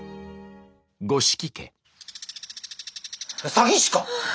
詐欺師か！？